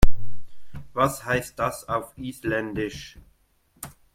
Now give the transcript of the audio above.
Was heißt das auf Isländisch?